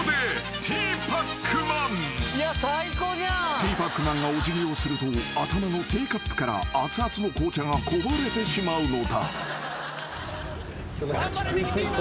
［ティーパックマンがおじぎをすると頭のティーカップからあつあつの紅茶がこぼれてしまうのだ］